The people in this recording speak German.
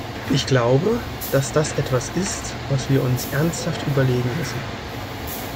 Ich glaube, dass das etwas ist, was wir uns ernsthaft überlegen müssen.